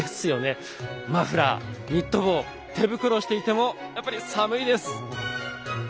マフラーニット帽手袋していてもやっぱり寒いです！